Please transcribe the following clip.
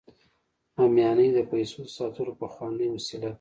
همیانۍ د پیسو د ساتلو پخوانۍ وسیله ده